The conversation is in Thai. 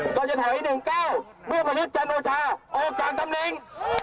ก็จะถอยหนึ่งเก้าเมื่อพระนิทจันทรวชาออกจากกำเนง